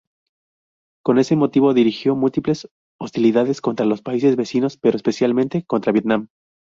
Con ese motivo dirigió múltiples hostilidades contra los países vecinos, pero especialmente contra Vietnam.